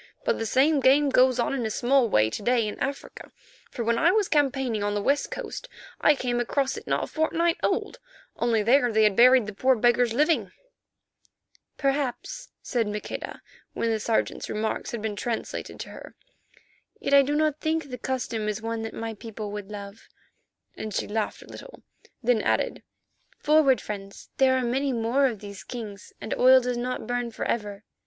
But the same game goes on in a small way to day in Africa, for when I was campaigning on the West Coast I came across it not a fortnight old, only there they had buried the poor beggars living." "Perhaps," said Maqueda, when the Sergeant's remarks had been translated to her. "Yet I do not think the custom is one that my people would love," and she laughed a little, then added, "forward, friends, there are many more of these kings and oil does not burn for ever."